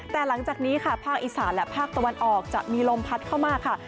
แต่หลังจากนี้ค่ะภาคอีสานและภาคตะวันออกจะมีลมพัดเข้ามาค่ะ